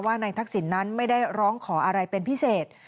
นายทักษิณนั้นไม่ได้ร้องขออะไรเป็นพิเศษ